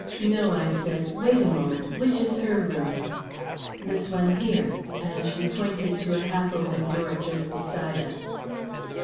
"No," I said; "wait a moment. Which is her room?" "This one here," and she pointed to a half open door just beside us.